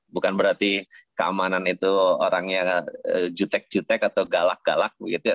bukan berarti keamanan itu orang yang jutek jutek atau galak galak begitu ya